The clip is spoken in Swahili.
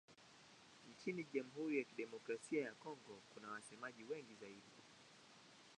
Nchini Jamhuri ya Kidemokrasia ya Kongo kuna wasemaji wengi zaidi.